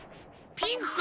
ピンクか？